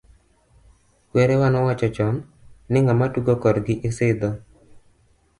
Kwerawa nowacho chon , ni ng'ama tugo kor gi isidho.